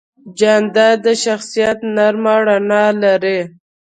جانداد د شخصیت نرمه رڼا لري.